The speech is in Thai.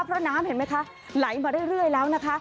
เพราะน้ำเห็นไหมคะไหลมาเรื่อยแล้วนะคะ